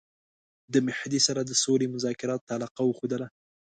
د مهدي سره د سولي مذاکراتو ته علاقه وښودله.